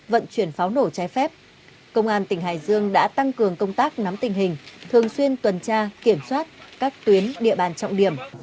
vận chuyển pháo nổ trái phép công an tỉnh hải dương đã tăng cường công tác nắm tình hình thường xuyên tuần tra kiểm soát các tuyến địa bàn trọng điểm